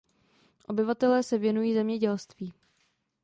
Obyvatelé se věnují zemědělství.